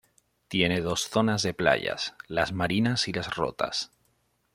Tiene dos zonas de playas: Las Marinas y Las Rotas.